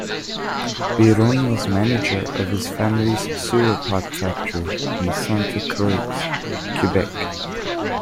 Biron was manager of his family's sewer pipe factory in Sainte-Croix, Quebec.